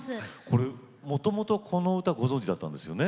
これもともとこの歌ご存じだったんですよね？